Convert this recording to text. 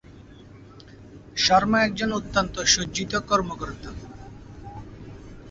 শর্মা একজন অত্যন্ত সজ্জিত কর্মকর্তা।